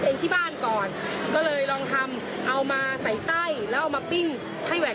หอมถึงไอของถ่านมันขึ้นมาเลยค่ะ